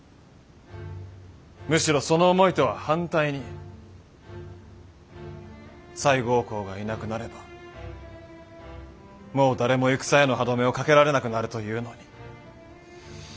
むしろその思いとは反対に西郷公がいなくなればもう誰も戦への歯止めをかけられなくなるというのに。